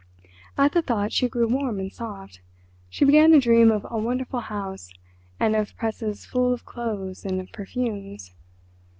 At the thought she grew warm and soft. She began to dream of a wonderful house, and of presses full of clothes and of perfumes.